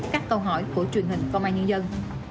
các câu hỏi của truyền hình công an nhân dân